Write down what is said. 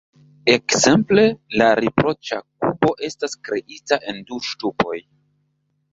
Ekzemple, la "riproĉa kubo" estas kreita en du ŝtupoj.